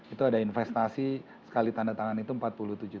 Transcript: itu ada investasi sekali tanda tangan itu rp empat puluh tujuh juta